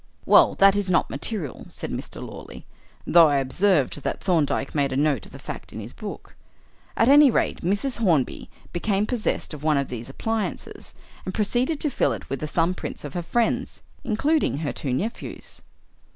"Well, that is not material," said Mr. Lawley (though I observed that Thorndyke made a note of the fact in his book); "at any rate, Mrs. Hornby became possessed of one of these appliances and proceeded to fill it with the thumb prints of her friends, including her two nephews.